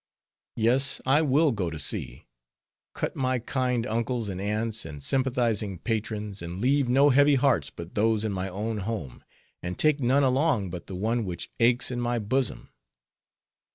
Yes, I will go to sea; cut my kind uncles and aunts, and sympathizing patrons, and leave no heavy hearts but those in my own home, and take none along but the one which aches in my bosom.